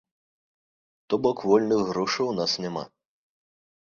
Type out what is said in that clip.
То бок вольных грошаў у нас няма.